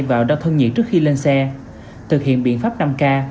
vào đo thân nhiệt trước khi lên xe thực hiện biện pháp năm k